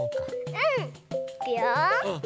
うん！いくよ。